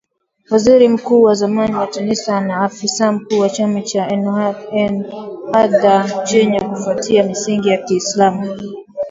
Waziri Mkuu wa zamani wa Tunisia na afisa mkuu wa chama cha Ennahdha chenye kufuata misingi ya kiislam.